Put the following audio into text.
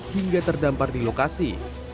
hingga terdampar di lokasi